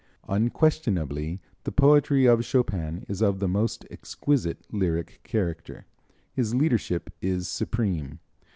'" Unquestionably the poetry of Chopin is of the most exquisite lyric character, his leadership is supreme.